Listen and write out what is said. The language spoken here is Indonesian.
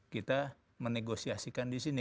kita menegosiasikan di sini